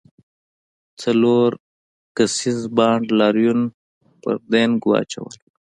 څلور کسیز بانډ لاریون پر دینګ واچوله.